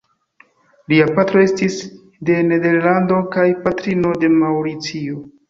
Lia patro estis de Nederlando kaj patrino de Maŭricio.